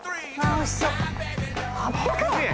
おいしそう８００円！？